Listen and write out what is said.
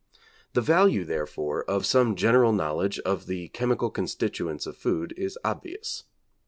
The value, therefore, of some general knowledge of the chemical constituents of food is obvious.